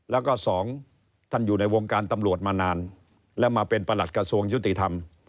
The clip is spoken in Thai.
แล้วก็สองท่านอยู่ในวงการตำรวจมานานและมาเป็นประหลัดกระทรวงยุติธรรม